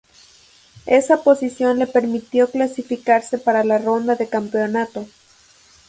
Esa posición le permitió clasificarse para la ronda de campeonato.